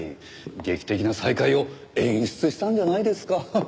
劇的な再会を演出したんじゃないですか。